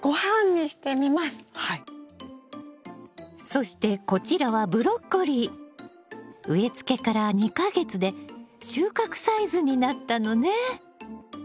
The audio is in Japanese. そしてこちらは植えつけから２か月で収穫サイズになったのね。